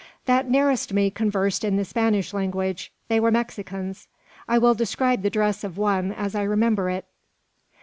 That nearest me conversed in the Spanish language. They were Mexicans. I will describe the dress of one, as I remember it.